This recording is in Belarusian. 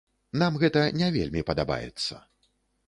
Нам гэта не вельмі падабаецца.